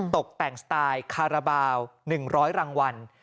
ตกแต่งสไตล์คาราบาล๑๐๐รางวัล